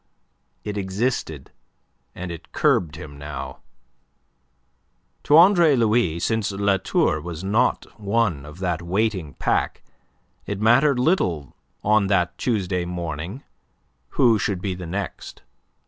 But it existed, and it curbed him now. To Andre Louis, since La Tour was not one of that waiting pack, it mattered little on that Tuesday morning who should be the next.